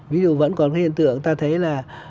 ví dụ vẫn còn cái hiện tượng ta thấy là